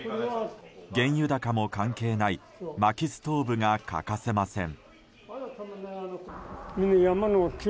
原油高も関係ないまきストーブが欠かせません。